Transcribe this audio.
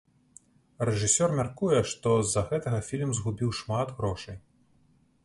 Рэжысёр мяркуе, што з-за гэтага фільм згубіў шмат грошай.